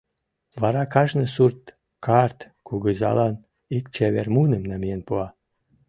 Вара кажне сурт карт кугызалан ик чевер муным намиен пуа.